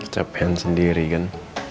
capekan sendiri kan